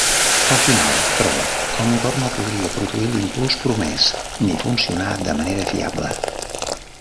Al final, però, el motor no podria produir l'impuls promès ni funcionar de manera fiable.